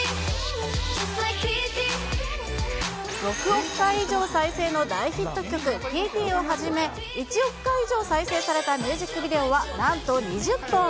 ６億回以上再生の大ヒット曲、ＴＴをはじめ、１億回以上再生されたミュージックビデオはなんと２０本。